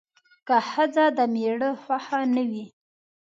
که ښځه د میړه خوښه نه وي